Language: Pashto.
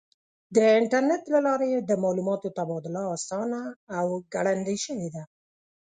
د انټرنیټ له لارې د معلوماتو تبادله آسانه او ګړندۍ شوې ده.